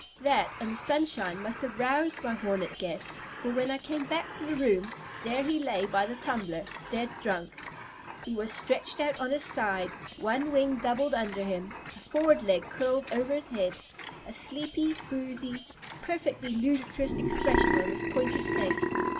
That and the sunshine must have roused my hornet guest, for when I came back to the room, there he lay by the tumbler, dead drunk. He was stretched out on his side, one wing doubled under him, a forward leg curled over his head, a sleepy, boozy, perfectly ludicrous expression on his pointed face.